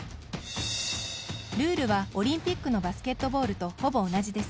ルールはオリンピックのバスケットボールとほぼ同じです。